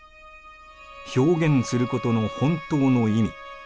表現することの本当の意味。